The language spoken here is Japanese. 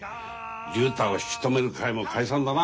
竜太を引き止める会も解散だな。